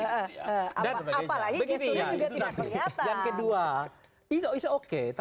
apalagi disuruh juga tidak kelihatan